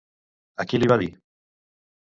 A qui li va dir?